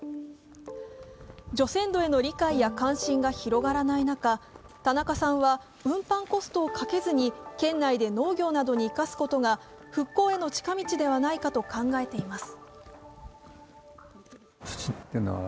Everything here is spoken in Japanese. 除染土への理解や関心が広がらない中、田中さんは運搬コストをかけずに県内で農業などに生かすことが復興への近道ではないかと考えています。